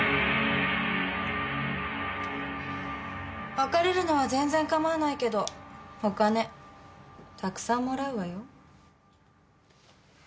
別れるのは全然構わないけどお金たくさんもらうわよ。